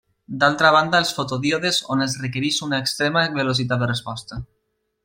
D'altra banda els fotodíodes on es requereix una extrema velocitat de resposta.